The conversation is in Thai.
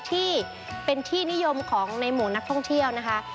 ที่เป็นที่นิยมของในหมู่นักท่องเที่ยวนะคะ